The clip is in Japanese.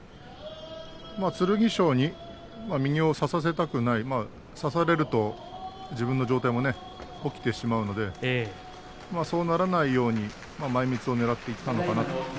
剣翔に右を差させたくない差されると自分の上体も起きてしまうのでそうならないように前みつをねらっていたのかなと。